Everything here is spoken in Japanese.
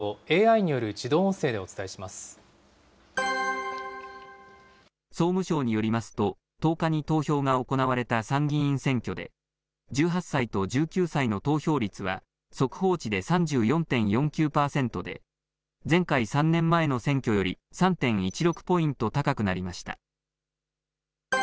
では出かける前に押さえておきたいニュースをＡＩによる自動総務省によりますと、１０日に投票が行われた参議院選挙で、１８歳と１９歳の投票率は、速報値で３４．４９％で、前回・３年前の選挙より３．１６ポイント高くなりました。